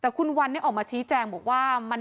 แต่คุณวันออกมาชี้แจงบอกว่า